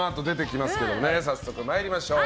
早速参りましょう。